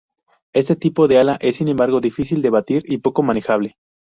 Este tipo de ala es sin embargo difícil de batir y poco manejable.